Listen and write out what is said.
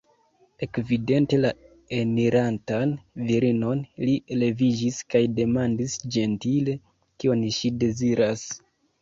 Ekvidinte la enirantan virinon, li leviĝis kaj demandis ĝentile, kion ŝi deziras.